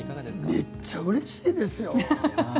めっちゃうれしいですよ。